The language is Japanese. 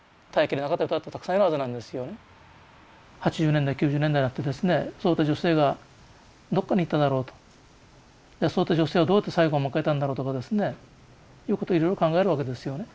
８０年代９０年代になってですねそういった女性がどこに行っただろうとそういった女性がどうやって最期を迎えたんだろうとかですねということをいろいろと考えるわけですよね。